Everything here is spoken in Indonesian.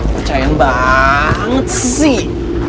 percayaan baaaanget sih